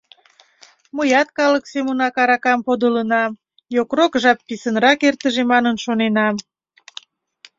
Мыят калык семынак аракам подылынам, йокрок жап писынрак эртыже манын шоненам.